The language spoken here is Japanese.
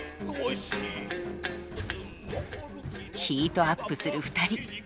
ヒートアップする２人。